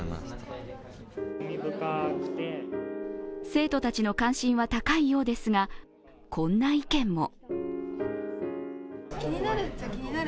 生徒たちの関心は高いようですが、こんな意見も。